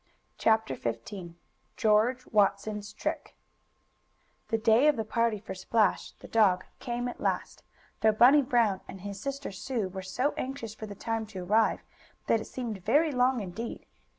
CHAPTER XV GEORGE WATSON'S TRICK The day of the party for Splash, the dog, came at last, though Bunny Brown and his sister Sue were so anxious for the time to arrive that it seemed very long indeed.